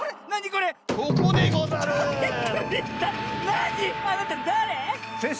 なに⁉あなただれ⁉せっ